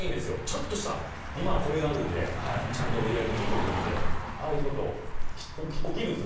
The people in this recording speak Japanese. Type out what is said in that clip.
ちょっとした今、これがあるんでちゃんとＶで見てくれるのでああいうことが起きるんです。